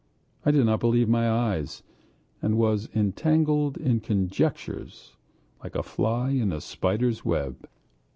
I did not believe my eyes, and was entangled in conjectures like a fly in a spider's web....